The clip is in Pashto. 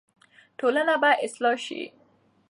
ټولنه به اصلاح شي.